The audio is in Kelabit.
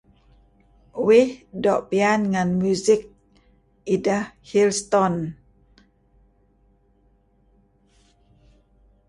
Uih doo' piyan ngen music ideh Hilltone.